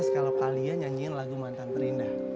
gimana guys kalau kalian nyanyiin lagu matang terindah